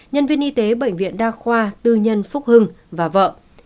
nhân viên y tế bệnh viện đa khoa tư nhân phúc hưng và vợ